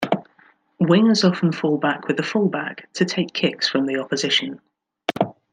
Wingers often fall back with the fullback to take kicks from the opposition.